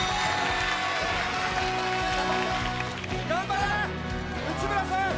頑張れ内村さん！